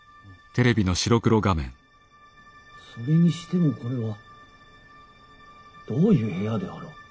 「それにしてもこれはどういう部屋であろう？」。